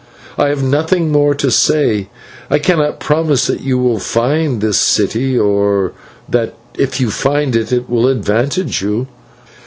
I have nothing more to say. I cannot promise that you will find this City, or that, if you find it, it will advantage you.